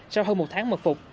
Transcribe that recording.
sau hơn một tháng mật phục